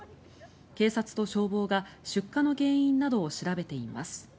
警察と消防が出火の原因などを調べています。